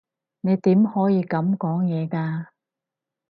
你點可以噉講嘢㗎？